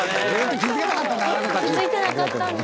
気づいてなかったんだ。